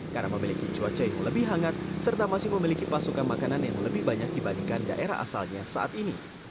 karena memiliki cuaca yang lebih hangat serta masih memiliki pasokan makanan yang lebih banyak dibandingkan daerah asalnya saat ini